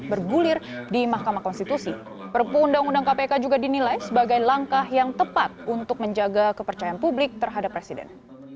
bergulir di mahkamah konstitusi perpu undang undang kpk juga dinilai sebagai langkah yang tepat untuk menjaga kepercayaan publik terhadap presiden